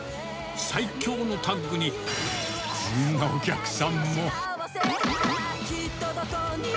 最強のタッグに、こんなお客さんも。